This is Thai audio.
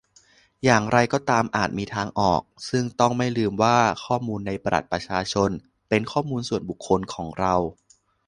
อย่างไรก็ตามอาจมีทางออก ซึ่งต้องไม่ลืมว่าข้อมูลในบัตรประชาชนเป็นข้อมูลส่วนบุคคคลของเรา